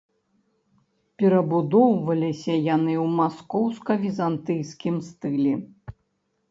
Перабудоўваліся яны ў маскоўска-візантыйскім стылі.